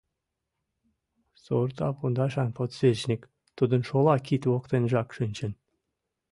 Сорта пундашан подсвечник тудын шола кид воктенжак шинчен.